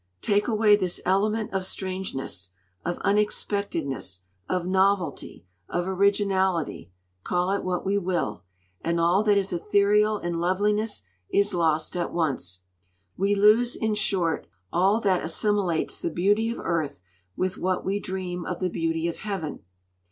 Take away this element of strangeness of unexpectedness of novelty of originality call it what we will and all that is ethereal in loveliness is lost at once.... We lose, in short, all that assimilates the beauty of earth with what we dream of the beauty of heaven!'